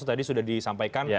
yang tadi sudah disampaikan